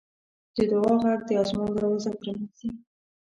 د دعا غږ د اسمان دروازه پرانیزي.